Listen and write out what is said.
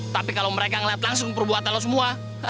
tapi kalau mereka melihat langsung perbuatan lo semua